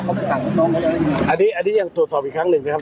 เขาไปสั่งทุกนแมนงมาได้หรือไงครับอันนี้อย่างตรวจสอบอีกครั้งหนึ่งนะครับ